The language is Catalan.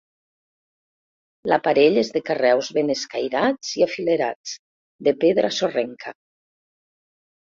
L'aparell és de carreus ben escairats i afilerats, de pedra sorrenca.